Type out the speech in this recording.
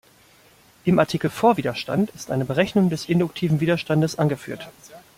Im Artikel Vorwiderstand ist eine Berechnung des induktiven Widerstandes angeführt.